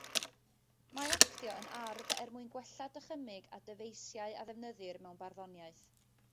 Mae actio yn arf er mwyn gwella dychymyg a dyfeisiau a ddefnyddir mewn barddoniaeth.